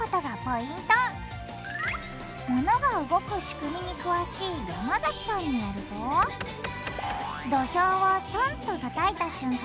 物が動く仕組みに詳しい山崎さんによると土俵をとんとたたいた瞬間